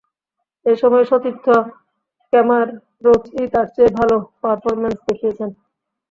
এ সময়ে সতীর্থ কেমার রোচই তাঁর চেয়ে ভালো পারফরম্যান্স দেখিয়েছেন।